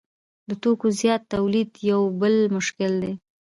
د توکو زیات تولید یو بل مشکل دی